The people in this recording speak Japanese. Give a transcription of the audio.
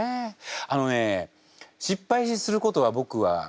あのね失敗することは僕は。